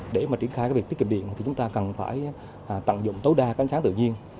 để mà triển khai cái việc tiết kiệm điện thì chúng ta cần phải tận dụng tối đa cánh sáng tự nhiên